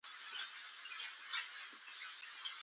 ښځې سر ټيت کړ.